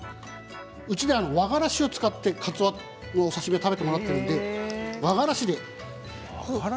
うちは和がらしを使ってかつおの刺身を食べてもらっているので和がらし。